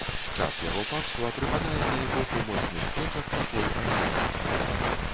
Час яго папства прыпадае на эпоху моцных спрэчак вакол арыянства.